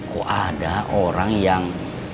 kok ada orang yang